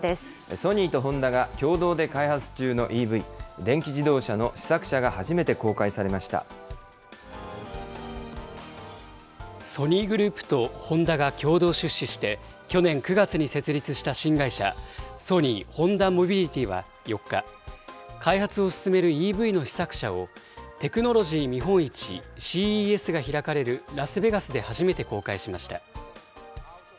ソニーとホンダが共同で開発中のＥＶ・電気自動車の試作車がソニーグループとホンダが共同出資して、去年９月に設立した新会社、ソニー・ホンダモビリティは４日、開発を進めるＥＶの試作車を、テクノロジー見本市ＣＥＳが開かれるラスベガスで初めて公開しました。